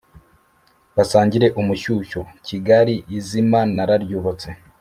basangire umushushyo, kigali izima nararyubatse